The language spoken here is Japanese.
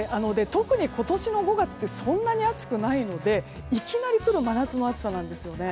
特に今年の５月ってそんなに暑くないのでいきなり来る真夏の暑さなんですよね。